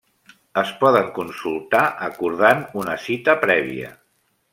Es poden consultar acordant una cita prèvia.